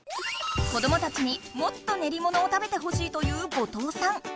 子どもたちにもっとねりものを食べてほしいという後藤さん。